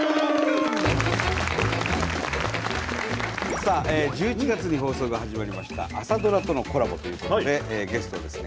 さあ１１月に放送が始まりました朝ドラとのコラボということでゲストはですね